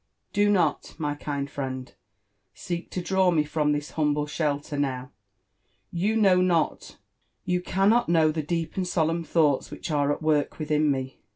Bo not, my kind friend, seek to draw me from this humble shelter now. You know not — you cannot know the deep and solemn thoughts which are at work within me.